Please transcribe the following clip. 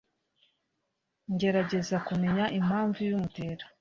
ngerageza kumenya impamvu ibimutera